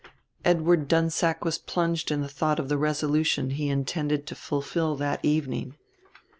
Edward Dunsack was plunged in the thought of the resolution he intended to fulfill that evening.